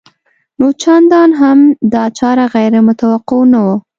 نو چندان هم دا چاره غیر متوقع نه وه